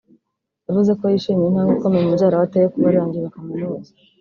yavuze ko yishimiye intambwe ikomeye mubyara we ateye kuba arangije kaminuza